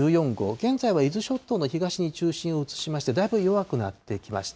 現在は伊豆諸島の東に中心を移しまして、だいぶ弱くなってきました。